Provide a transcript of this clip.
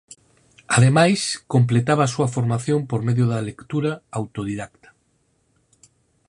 Ademais completaba a súa formación por medio da lectura autodidacta.